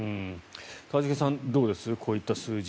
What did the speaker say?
一茂さん、どうですこういった状況、数字。